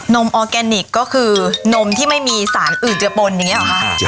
มออร์แกนิคก็คือนมที่ไม่มีสารอื่นจะปนอย่างนี้หรอคะ